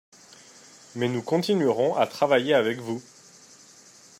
Mais nous continuerons à travailler avec vous.